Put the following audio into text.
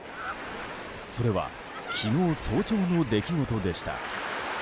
それは昨日早朝の出来事でした。